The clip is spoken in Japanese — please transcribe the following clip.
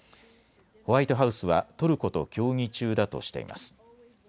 ホワイトハウスはトルコと協議中だとしています。